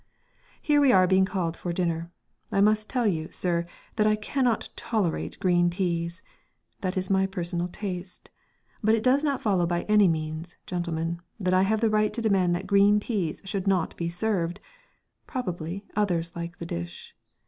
"Here we are being called for dinner ... I must tell you, sir, that I cannot tolerate green peas. That is my personal taste. But it does not follow by any means, gentlemen, that I have the right to demand that green peas should not be served.... Probably, others like the dish...."